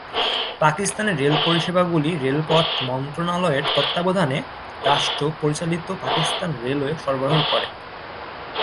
পাকিস্তানে রেল পরিষেবাগুলি রেলপথ মন্ত্রনালয়ের তত্ত্বাবধানে, রাষ্ট্র পরিচালিত পাকিস্তান রেলওয়ে সরবরাহ করে।